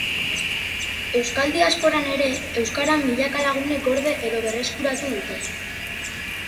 Euskal diasporan ere, euskara milaka lagunek gorde edo berreskuratu dute